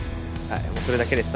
もうそれだけです。